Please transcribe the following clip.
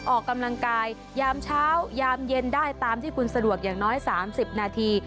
ออกกำลังกายยามเช้ายามเย็นได้ตามที่คุณสะดวกอย่างน้อย๓๐นาที